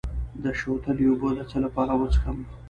د شوتلې اوبه د څه لپاره وڅښم؟